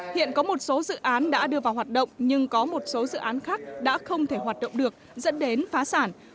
hiện có một số dự án đã đưa vào hoạt động nhưng có một số dự án khác đã không thể hoạt động được dẫn đến phá sản